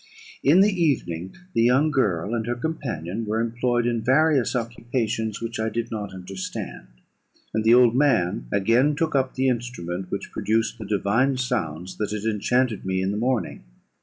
In the evening, the young girl and her companion were employed in various occupations which I did not understand; and the old man again took up the instrument which produced the divine sounds that had enchanted me in the morning.